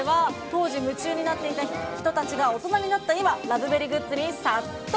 カフェ横のグッズ売り場では、当時夢中になっていた人たちが大人になった今、ラブベリグッズに殺到。